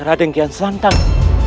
raden kian santang